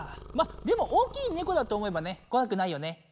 まあでも大きいネコだと思えばねこわくないよね